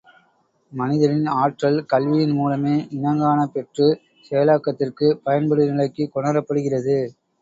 மனிதனின் ஆற்றல் கல்வியின் மூலமே இனங்காணப் பெற்றுச் செயலாக்கத்திற்குப் பயன்படு நிலைக்குக் கொணரப் படுகிறது!